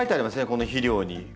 この肥料に。